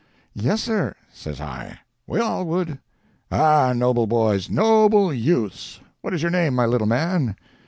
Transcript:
"'Yes, sir,' says I—'we all would.' "'Ah—noble boys—noble youths. What is your name, my little man?'